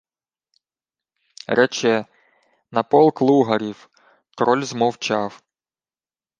— Рече: на полк лугарів. Король змовчав.